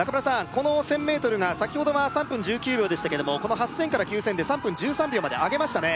この１０００ｍが先ほどは３分１９秒でしたけどこの８０００から９０００で３分１３秒まで上げましたね